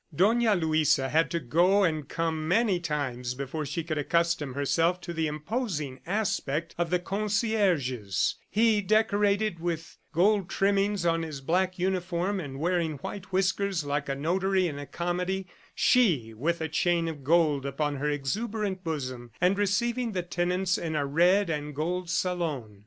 Dona Luisa had to go and come many times before she could accustom herself to the imposing aspect of the concierges he, decorated with gold trimmings on his black uniform and wearing white whiskers like a notary in a comedy, she with a chain of gold upon her exuberant bosom, and receiving the tenants in a red and gold salon.